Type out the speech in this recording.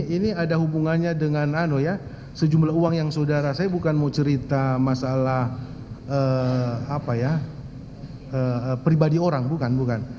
ini ada hubungannya dengan sejumlah uang yang saudara saya bukan mau cerita masalah pribadi orang bukan bukan